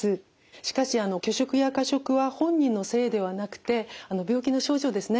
しかし拒食や過食は本人のせいではなくて病気の症状ですね